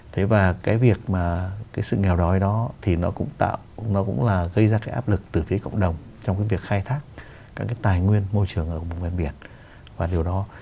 thế và cái việc mà cái sự nghèo đói đó thì nó cũng tạo nó cũng là gây ra cái áp lực từ phía cộng đồng trong cái việc khai thác các cái tài nguyên môi trường ở vùng ven biển và điều đó